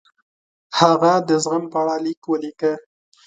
هغه د زغم په اړه لیک ولیکه.